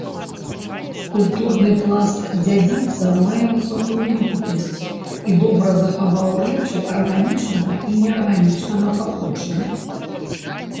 Культурны пласт дзядзінца мае высокую вільготнасць і добра захаваў рэчы арганічнага і неарганічнага паходжання.